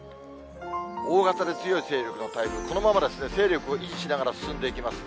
大型で強い勢力の台風、このまま勢力を維持しながら進んでいきます。